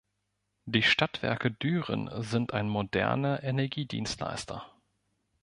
Die Stadtwerke Düren sind ein moderner Energiedienstleister.